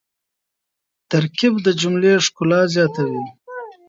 ترکیب د جملې ښکلا زیاتوي.